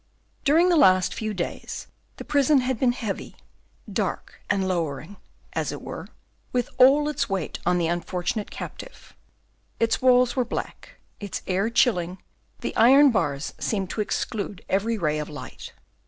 During the last few days, the prison had been heavy, dark, and lowering, as it were, with all its weight on the unfortunate captive. Its walls were black, its air chilling, the iron bars seemed to exclude every ray of light.